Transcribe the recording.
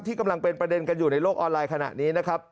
กำลังเป็นประเด็นกันอยู่ในโลกออนไลน์ขณะนี้นะครับ